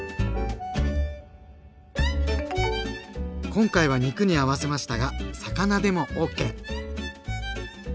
今回は肉に合わせましたが魚でもＯＫ。